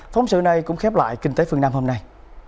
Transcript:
phóng sự này cũng khép lại kinh tế phương nam hôm nay